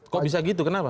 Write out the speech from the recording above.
kok bisa gitu kenapa